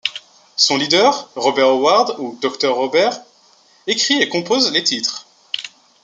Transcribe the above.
Son leader, Robert Howard ou Dr Robert, écrit et compose les titres.